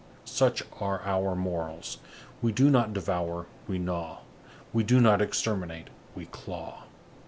Such are our morals. We do not devour, we gnaw; we do not exterminate, we claw."